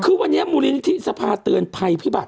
คือวันนี้มูลนิธิสภาเตือนภัยพิบัติ